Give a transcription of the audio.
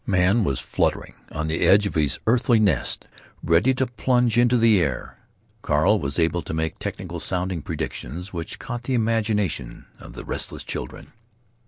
Man was fluttering on the edge of his earthy nest, ready to plunge into the air. Carl was able to make technical sounding predictions which caught the imaginations of the restless children.